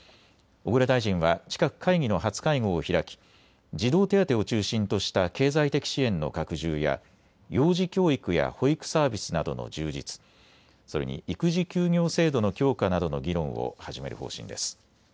小倉大臣は近く会議の初会合を開き、児童手当を中心とした経済的支援の拡充や、幼児教育や保育サービスなどの充実、それに育児休業制度の強化などの議論を始める方針です。